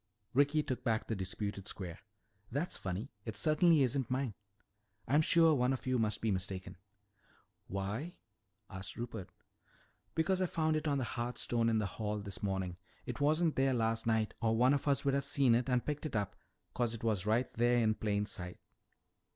Ricky took back the disputed square. "That's funny. It certainly isn't mine. I'm sure one of you must be mistaken." "Why?" asked Rupert. "Because I found it on the hearth stone in the hall this morning. It wasn't there last night or one of us would have seen it and picked it up, 'cause it was right there in plain sight."